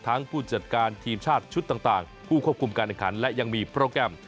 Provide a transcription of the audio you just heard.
ผู้จัดการทีมชาติชุดต่างผู้ควบคุมการแข่งขันและยังมีโปรแกรม